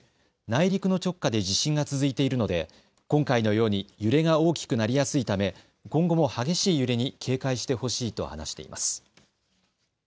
内陸の直下で地震が続いているので今回のように揺れが大きくなりやすいため今後も激しい揺れに警戒してほしいと話しています。